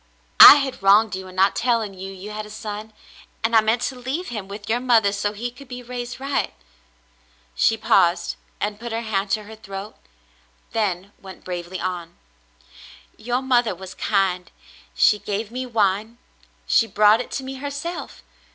"I had wronged you in not telling you you had a son, and I meant to leave him with your mother so he could be raised right." She paused, and put her hand to her throat, then went bravely on. "Your mother was kind — she gave me wine — she brought it to me herself.